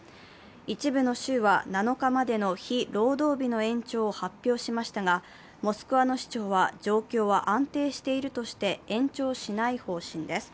一部の州は７日までの非労働日の延長を発表しましたがモスクワの市長は状況は安定しているとして延長しない方針です。